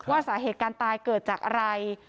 สาเหตุการณ์ตายเกิดจากอะไร